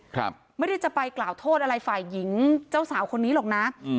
ครับไม่ได้จะไปกล่าวโทษอะไรฝ่ายหญิงเจ้าสาวคนนี้หรอกนะอืม